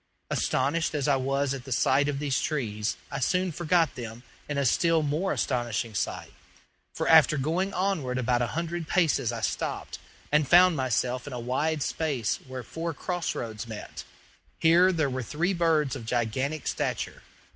Astonished as I was at the sight of these trees, I soon forgot them in a still more astonishing sight, for after going onward about a hundred paces I stopped, and found myself in a wide space where four cross roads met. Here there were three birds of gigantic stature.